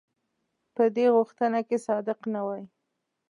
په دې غوښتنه کې صادق نه وای.